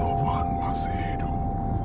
tovan masih hidup